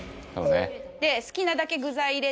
好きなだけ具材入れて。